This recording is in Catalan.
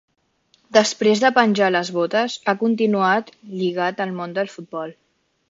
Després de penjar les botes, ha continuat lligat al món del futbol.